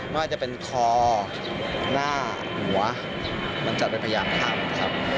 ไม่ว่าจะเป็นคอหน้าหัวมันจัดว่าเป็นพยายามค่าครับ